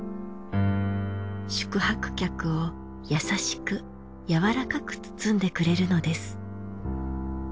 宿泊客を優しく柔らかく包んでくれるのです。